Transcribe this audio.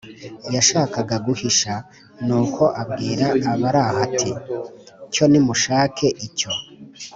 yashakaga guhisha. Nuko abwira abari aho ati: “Cyo nimushake icyo